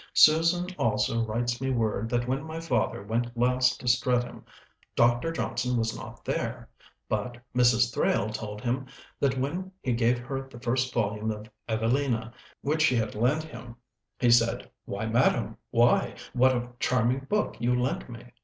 Susan also writes me word that when my father went last to Streatham, Dr. Johnson was not there, but Mrs. Thrale told him that when he gave her the first volume of 'Evelina,' which she had lent him, he said, "Why, madam, why, what a charming book you lent me!"